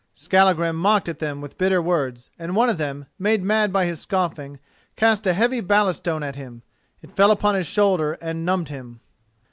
Skallagrim mocked at them with bitter words, and one of them, made mad by his scoffing, cast a heavy ballast stone at him. It fell upon his shoulder and numbed him.